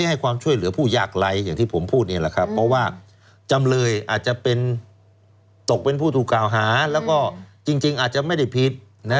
อาจจะเป็นตกเป็นผู้ถูกกล่าวหาและก็จริงอาจจะไม่ได้ผิด